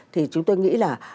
thì chúng tôi nghĩ là